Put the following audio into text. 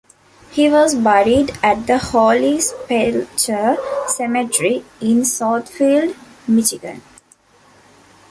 He was buried at the Holy Sepulchre Cemetery in Southfield, Michigan.